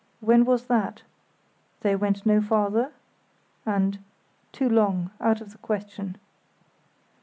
"When was that?" "They went no farther?" and "Too long; out of the question."